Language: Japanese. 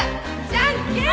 じゃんけん。